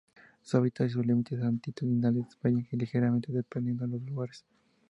Su hábitat y sus límites altitudinales varían ligeramente dependiendo de los lugares.